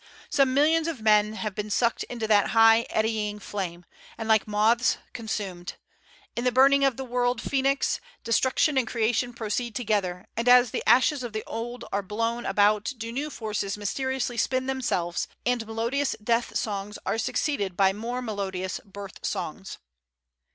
some millions of men have been sucked into that high eddying flame, and like moths consumed. In the burning of the world Phoenix, destruction and creation proceed together; and as the ashes of the old are blown about do new forces mysteriously spin themselves, and melodious death songs are succeeded by more melodious birth songs."